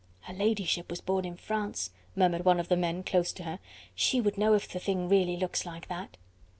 "Her ladyship was born in France," murmured one of the men, close to her, "she would know if the thing really looks like that."